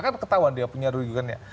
kan ketahuan dia punya rujukannya